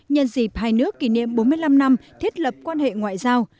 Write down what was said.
nhân dịp hai nước kỷ niệm bốn mươi năm năm thiết lập quan hệ ngoại giao